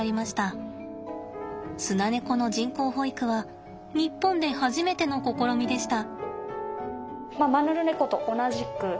スナネコの人工哺育は日本で初めての試みでした。